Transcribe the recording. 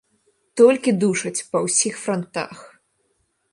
Толькі душаць, па ўсіх франтах.